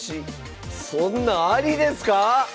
そんなんアリですか